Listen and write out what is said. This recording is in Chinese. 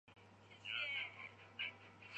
端木仁人。